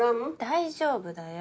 大丈夫だよ。